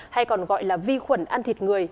hay còn gọi là vi khuẩn ăn thịt người